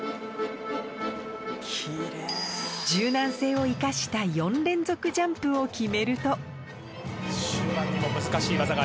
柔軟性を生かした４連続ジャンプを決めると